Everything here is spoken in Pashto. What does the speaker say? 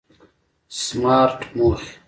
سمارټ موخې